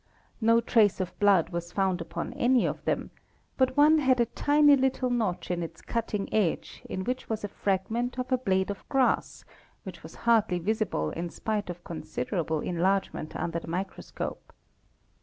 No trace of blood was found upon any of them, but one had a tiny lttle notch in its cutting edge in which was a fragment of a blade of grass which _ was hardly visible in spite of considerable enlargement under the micros cope.